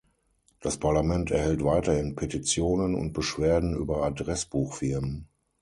Das Parlament erhält weiterhin Petitionen und Beschwerden über Adressbuchfirmen.